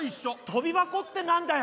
とび箱って何だよ。